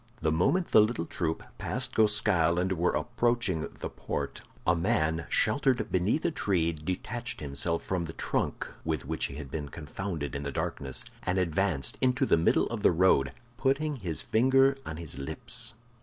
The moment the little troop passed Goskal and were approaching the Post, a man sheltered beneath a tree detached himself from the trunk with which he had been confounded in the darkness, and advanced into the middle of the road, putting his finger on his lips.